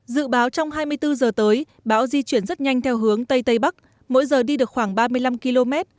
dự báo trong hai mươi bốn h tới bão di chuyển rất nhanh theo hướng tây tây bắc mỗi giờ đi được khoảng ba mươi năm km